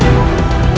beberapa j sistem